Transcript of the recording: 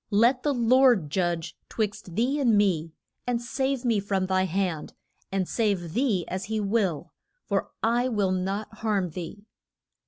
Let the Lord judge 'twixt thee and me, and save me from thy hand, and save thee as he will, for I will not harm thee.